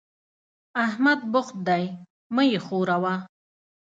احمد بوخت دی؛ مه يې ښوروه.